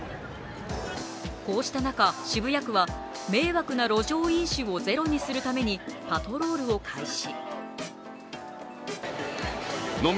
こうした中、渋谷区は迷惑な路上飲酒をゼロにするためにパトロールを開始。